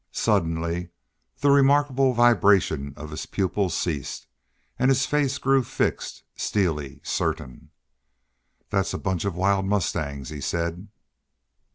Suddenly the remarkable vibration of his pupils ceased, and his glance grew fixed, steely, certain. "That's a bunch of wild mustangs," he said.